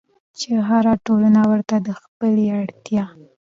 چې هره ټولنه ورته د خپلې اړتيا